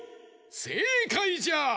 せいかいじゃ！